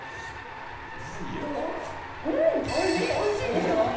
おいしいでしょ。